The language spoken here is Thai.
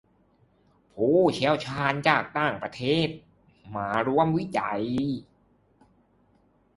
ผู้เชี่ยวชาญจากต่างประเทศมาร่วมวิจัย